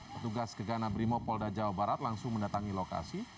petugas kegana brimopolda jawa barat langsung mendatangi lokasi